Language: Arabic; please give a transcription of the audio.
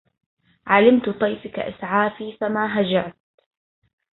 علمت طيفك إسعافي فما هجعت